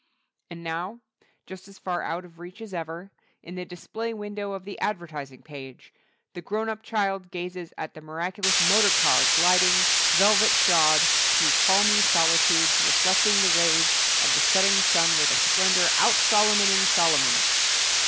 And now, just as far out of reach as ever, in the display window of the advertising page, the grown up child gazes at the miraculous Motor Car gliding, velvet shod, through palmy solitudes reflecting the rays of the setting sun with a splendor out Solomoning Solomon.